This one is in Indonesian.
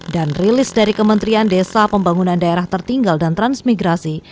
dan rilis dari kementerian desa pembangunan daerah tertinggal dan transmigrasi